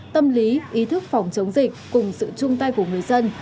tâm lý ý thức phòng chống dịch cùng sự chung tay của người dân